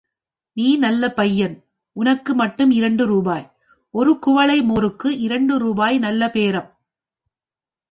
நீ நல்லப் பையன், உனக்கு மட்டும் இரண்டு ரூபாய். ஒரு குவளை மோருக்கு இரண்டு ரூபாய் நல்லப் பேரம்.